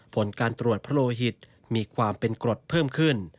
ผลการตรวจพระโลหิตมีความเป็นกรดเพิ่มขึ้น